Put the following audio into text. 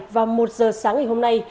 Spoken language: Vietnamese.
vào một giờ sáng ngày hôm nay